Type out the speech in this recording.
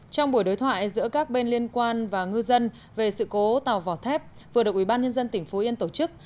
trong buổi đối thoại giữa các bên liên quan và ngư dân về sự cố tàu vỏ thép vừa được ubnd tỉnh phú yên tổ chức